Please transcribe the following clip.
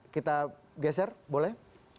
kita geser boleh